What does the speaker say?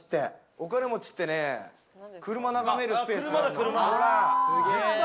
お金持ちって車を眺めるスペースが。